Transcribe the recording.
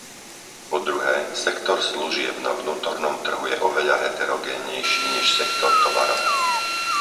Po druhé, sektor služieb na vnútornom trhu je oveľa heterogénnejší než sektor tovarov.